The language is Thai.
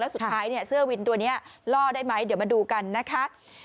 สุดท้ายเนี่ยเสื้อวินตัวนี้ล่อได้ไหมเดี๋ยวมาดูกันนะคะ